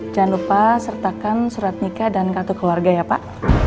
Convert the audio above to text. jangan lupa sertakan surat nikah dan kartu keluarga ya pak